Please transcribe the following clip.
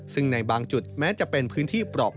ซึ่งในบางจุดมันจะเป็นพื้นที่ปรอบาง